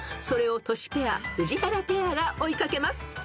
［それをトシペア宇治原ペアが追い掛けます］